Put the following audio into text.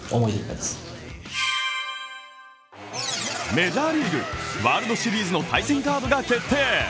メジャーリーグ、ワールドシリーズの対戦カードが決定。